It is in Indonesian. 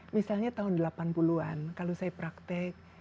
misalnya tahun delapan puluh an kalau saya praktek